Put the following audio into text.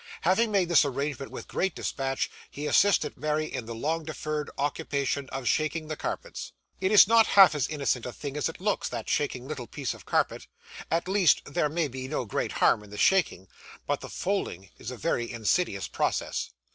Having made this arrangement with great despatch, he assisted Mary in the long deferred occupation of shaking the carpets. It is not half as innocent a thing as it looks, that shaking little pieces of carpet at least, there may be no great harm in the shaking, but the folding is a very insidious process.